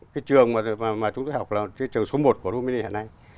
cái trường mà chúng tôi học là trường số một của liên hiệp này